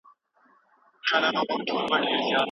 موږ د زاڼو ښکار نه دی کړی .